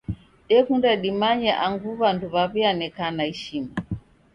Dekunda dimanye angu w'andu w'aw'ianekana ishima.